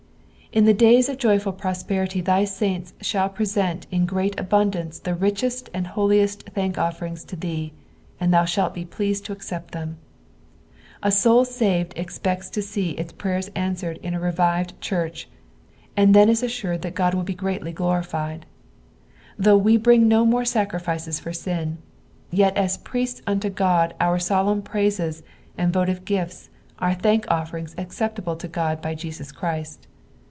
In those days of joyful prosperity thy saints shall present in great abundance the richest and holiest thank offerings to thee, and thou shaft be pleased to accept them. A saved soul expects to see its prayers sAswered in B revived church, and then is assured that Ood will be greatly glorified. Though we brin^ no more sacrifices for sin, yet as priests unto God our solemn praises and votive gifts are thank offerings acceptable la God by Jesus Christ.